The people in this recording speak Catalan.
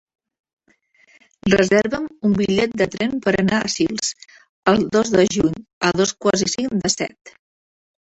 Reserva'm un bitllet de tren per anar a Sils el dos de juny a dos quarts i cinc de set.